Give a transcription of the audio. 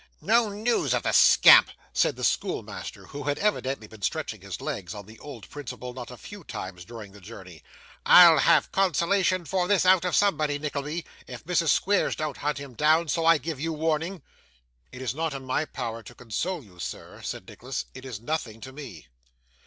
'No news of the scamp!' said the schoolmaster, who had evidently been stretching his legs, on the old principle, not a few times during the journey. 'I'll have consolation for this out of somebody, Nickleby, if Mrs. Squeers don't hunt him down; so I give you warning.' 'It is not in my power to console you, sir,' said Nicholas. 'It is nothing to me.